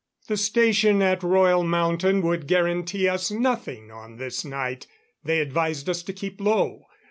] The station at Royal Mountain would guarantee us nothing on this night; they advised us to keep low.